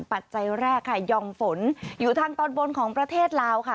ปัจจัยแรกค่ะย่อมฝนอยู่ทางตอนบนของประเทศลาวค่ะ